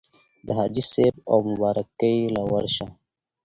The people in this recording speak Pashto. د حاجي صېب اومبارکۍ له ورشه